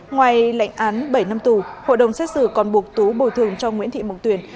ngoài lệnh án bảy năm tù hội đồng xét xử còn buộc tú bồi thường cho nguyễn thị mộng tuyền